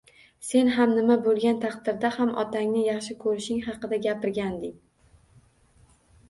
Sen ham nima bo`lgan taqdirda ham otangni yaxshi ko`rishing haqida gapirganding